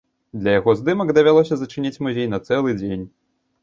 Для яго здымак давялося зачыніць музей на цэлы дзень.